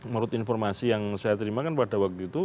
menurut informasi yang saya terima kan pada waktu itu